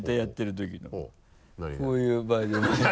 こういうバージョンも